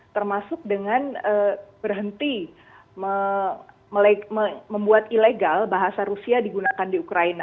termasuk dengan berhenti membuat ilegal bahasa rusia digunakan di ukraina